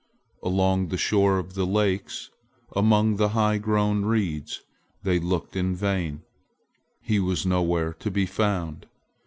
Along the shore of the lakes, among the high grown reeds, they looked in vain. He was nowhere to be found.